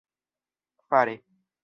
fare